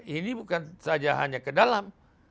ini bukan saja hanya ke dalam